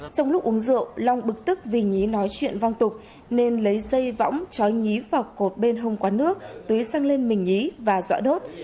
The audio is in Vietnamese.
trong lúc uống rượu long bực tức vì nhí nói chuyện văng tục nên lấy dây võng chói nhí vào cột bên hông quán nước tưới sang lên mình nhí và dọa đốt